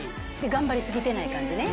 頑張りすぎてない感じね。